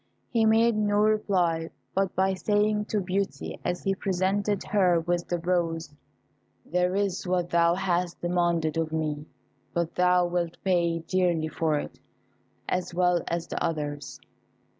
He made no reply but by saying to Beauty, as he presented her with the rose, "There is what thou hast demanded of me, but thou wilt pay dearly for it, as well as the others."